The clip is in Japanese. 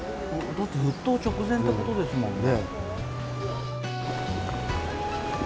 だって沸騰直前ってことですもんね。